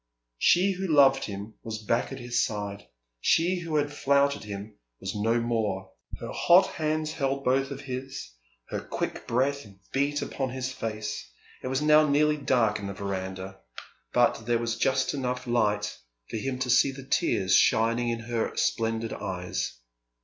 She who loved him was back at his side, she who had flouted him was no more. Her hot hands held both of his. Her quick breath beat upon his face. It was now nearly dark in the verandah, but there was just light enough for him to see the tears shining in her splendid eyes.